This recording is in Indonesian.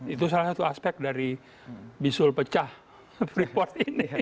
itu salah satu aspek dari bisul pecah freeport ini